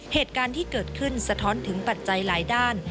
เหตุการณ์ที่เกิดขึ้นสะท้อนถึงปัจจัยหลายด้าน